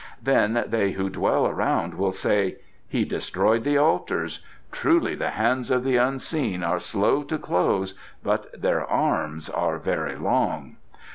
Then they who dwell around will say: 'He destroyed the altars! Truly the hands of the Unseen are slow to close, but their arms are very long.